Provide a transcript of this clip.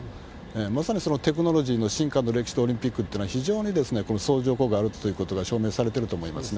まさにそのテクノロジーの進化の歴史とオリンピックってのは、非常に相乗効果があるということが証明されてると思いますね。